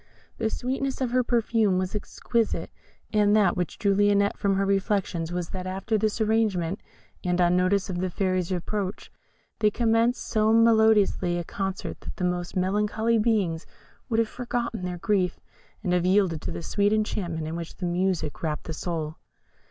The sweetness of their perfume was exquisite; and that which drew Lionette from her reflections was, that after this arrangement, and on notice of the Fairy's approach, they commenced so melodious a concert that the most melancholy beings would have forgotten their grief, and have yielded to the sweet enchantment in which this music wrapped the soul.